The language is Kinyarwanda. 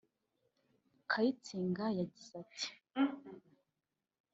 Kayitsinga yagize ati